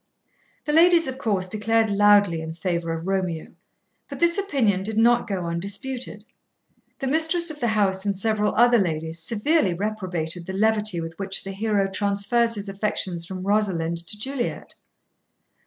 The ladies, of course, declared loudly in favour of Romeo, but this opinion did not go undisputed. The mistress of the house and several other ladies severely reprobated the levity with which the hero transfers his affections from Rosalind to Juliet.